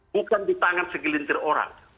bukan di tangan segelintir orang